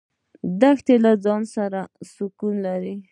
دښته له ځانه سره سکون لري.